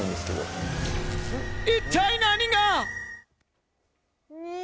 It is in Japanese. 一体何が？